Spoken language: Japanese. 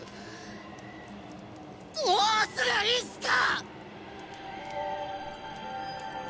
どうすりゃいいんすか！？